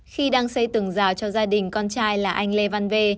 khi đăng xây từng rào cho gia đình con trai là anh lê văn vê